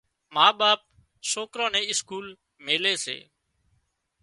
ما ٻاپ سوڪران نين اسڪول ميلي سي۔